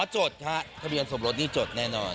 จดค่ะทะเบียนสมรสนี่จดแน่นอน